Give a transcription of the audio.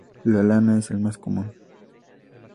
La lana es el más común.